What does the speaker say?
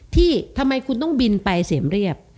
ที่ทำไมคุณต้องบินไปเสมเรียบ